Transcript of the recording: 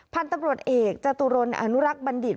พันตำรวจเอกจตุรนท์อนุรักษ์บัณฑิษฯ